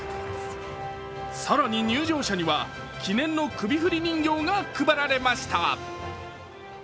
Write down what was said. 更に入場者には記念の首振り人形が配られました。